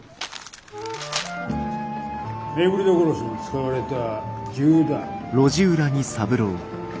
廻戸殺しに使われた銃弾。